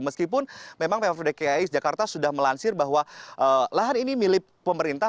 meskipun memang pemprov dki jakarta sudah melansir bahwa lahan ini milik pemerintah